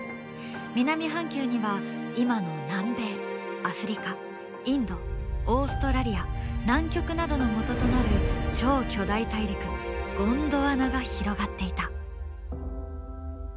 南半球には今の南米アフリカインドオーストラリア南極などのもととなる超巨大大陸ゴンドワナが広がっていた。